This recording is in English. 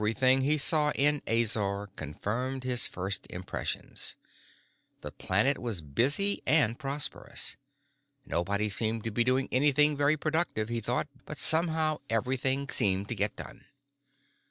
Everything he saw in Azor confirmed his first impressions. The planet was busy and prosperous. Nobody seemed to be doing anything very productive, he thought, but somehow everything seemed to get done.